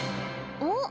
おっ！